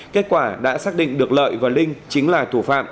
kết quả đã xác định được lợi và linh chính là thủ phạm